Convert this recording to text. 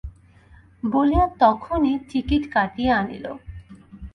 বলিয়া তখনি টিকিট কিনিয়া আনিল।